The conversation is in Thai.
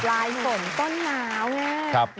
ลายฝนต้นหนาวเนี่ย